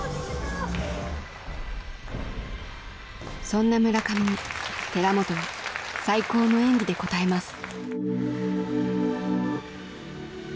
そんな村上に寺本は最高の演技で応えます。